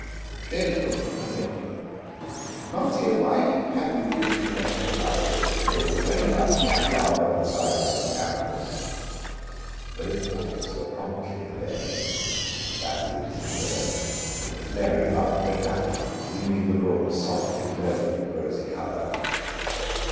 "Very good; admit them. Marzio, why have you this electric light over the table? Turn it out; the candelabra and the side lights are ample." Both orders were promptly obeyed. Vasili disappeared and the flaring light went out, leaving the room softly glowing with rosy color.